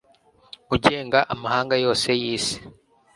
ugenga amahanga yose y'isi